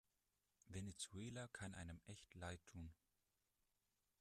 Venezuela kann einem echt leid tun.